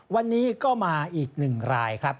วันนี้ก็มาอีก๑รายครับ